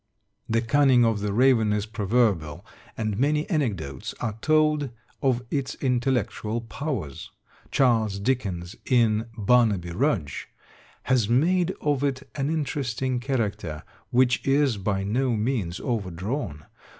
The cunning of the raven is proverbial, and many anecdotes are told of its intellectual powers. Charles Dickens in "Barnaby Rudge" has made of it an interesting character, which is by no means overdrawn.